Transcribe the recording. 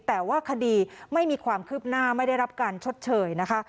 แต่ว่าคดีไม่มีความคืบหน้าไม่ได้รับการชดเชยนะคะ